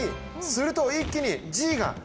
すると、一気にＧが。